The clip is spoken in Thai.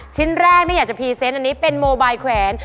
ชิ้นแรกไม่อยากจะพรีเซนต์อันนี้เป็นโมบายแขวน